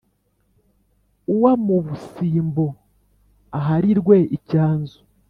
uwa busimbo aharirwe icyanzu